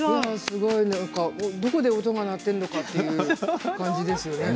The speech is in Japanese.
どこで音が鳴っているのかという感じですよね。